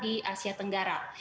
di asia tenggara